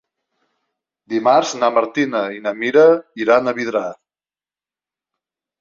Dimarts na Martina i na Mira iran a Vidrà.